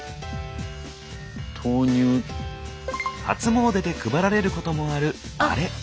初詣で配られることもあるあれ。